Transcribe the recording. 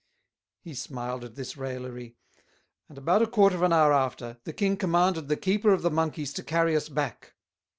He smiled at this Raillery; and about a quarter of an hour after, the King commanded the Keeper of the Monkeys to carry us back.